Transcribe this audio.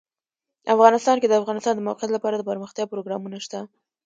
افغانستان کې د د افغانستان د موقعیت لپاره دپرمختیا پروګرامونه شته.